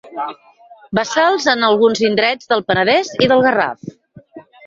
Bassals en alguns indrets del Penedès i del Garraf.